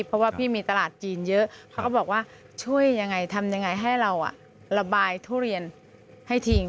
เพราะว่าพี่มีตลาดจีนเยอะเขาก็บอกว่าช่วยยังไงทำยังไงให้เราระบายทุเรียนให้ทิ้ง